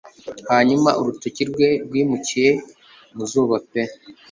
Hanyuma urutoki rwe rwimukiye mu zuba pe